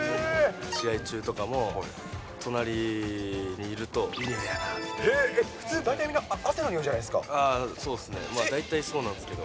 試合中とかも、隣にいると、普通大体みんな、汗のにおい大体そうなんですけど。